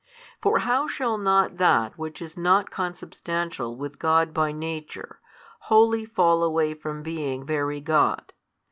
For how shall not that which is not consubstantial with God by Nature, wholly fall away from being Very God?